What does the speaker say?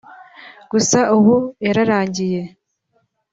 gusa ubu yararangiye